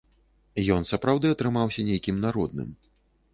Ён сапраўды атрымаўся нейкім народным.